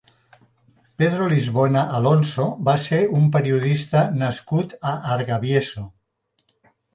Pedro Lisbona Alonso va ser un periodista nascut a Argavieso.